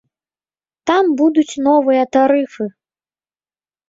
Там будуць новыя тарыфы.